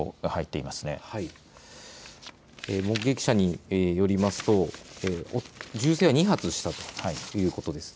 目撃者によりますと銃声は２発したということです。